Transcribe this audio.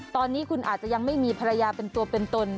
ตอนนี้คุณอาจจะยังไม่มีภรรยาเป็นตัวเป็นตน